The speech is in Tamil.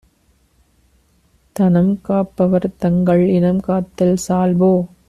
தனம்காப் பவர்தங்கள் இனம்காத்தல் சால்போ?